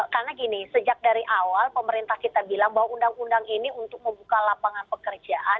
karena gini sejak dari awal pemerintah kita bilang bahwa undang undang ini untuk membuka lapangan pekerjaan